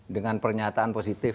dengan pernyataan positif